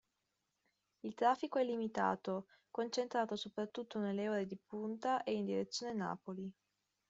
Il traffico è limitato, concentrato soprattutto nelle ore di punta e in direzione Napoli.